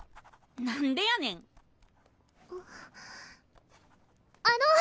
なんでやねんあの！